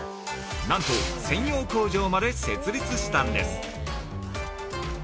なんと、専用工場まで設立したんです。